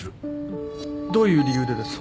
どういう理由でですか？